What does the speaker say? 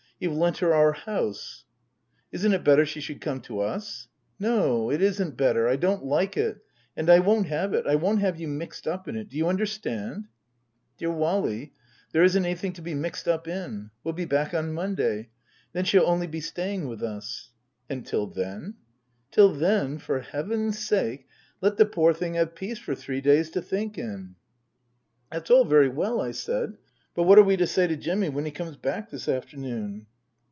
You've lent her our house." " Isn't it better she should come to us ?"" No, it isn't better. I don't like it. And I won't have it. I won't have you mixed up in it. Do you under stand ?"" Dear Wally there isn't anything to be mixed up in. We'll be back on Monday ; then she'll only be staying with us." " And till then ?"" Till then for Heaven's sake let the poor thing have peace for three days to think in." " That's all very well," I said, " but what are we to say to Jimmy when he comes back this afternoon